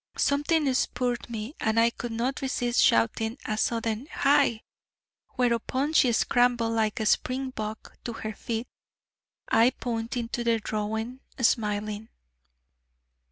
Something spurred me, and I could not resist shouting a sudden "Hi!" whereupon she scrambled like a spring bok to her feet, I pointing to the drawing, smiling.